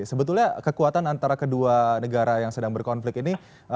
sebetulnya kekuatan antara kedua negara yang sedang berkonflik ini